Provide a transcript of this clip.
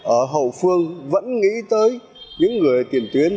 ở hậu phương vẫn nghĩ tới những người tiền tuyến